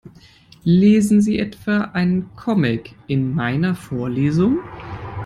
Lesen Sie etwa einen Comic in meiner Vorlesung?